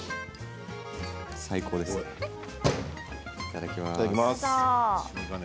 最高ですね、いただきます。